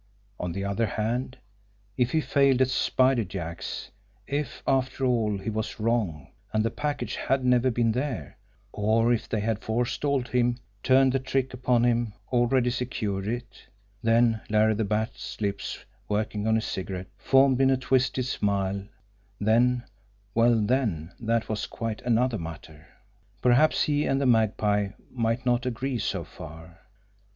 On the other hand, if he failed at Spider Jack's, if, after all, he was wrong, and the package had never been there, or if they had forestalled him, turned the trick upon him, already secured it, then Larry the Bat's lips, working on his cigarette, formed in a twisted smile then, well then, that was quite another matter! Perhaps he and the Magpie might not agree so far!